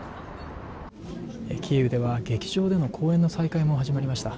キーウでは劇場での公演の再開も始まりました。